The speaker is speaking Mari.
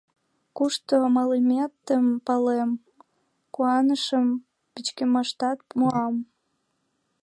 «Кушто малыметым палем, — куанышым, — пычкемыштат муам».